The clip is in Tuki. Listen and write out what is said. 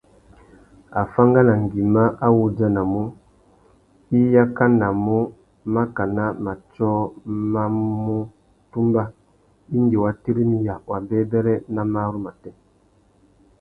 Afánganangüima a wú udjanamú, i yakanamú makana matiō mà mù tumba indi wa tirimiya wabêbêrê nà marru matê.